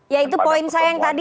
ya itu poin saya yang tadi